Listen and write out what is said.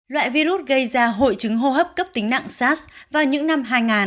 loại virus gây ra hội chứng hô hấp cấp tính nặng sars vào những năm hai nghìn